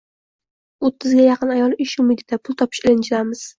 O`ttizga yaqin ayol ish umidida, pul topish ilinjidamiz